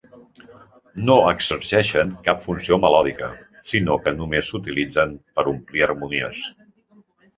No exerceixen cap funció melòdica, sinó que només s'utilitzen per omplir harmonies.